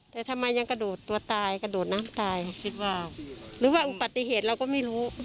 แต่ทำไมยังกระโดดตัวตายกระโดดน้ำตายคิดว่าหรือว่าอุบัติเหตุเราก็ไม่รู้